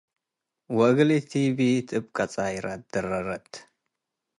ወእግል ኢቲቢት - እብ ቀጻይረ ደረረት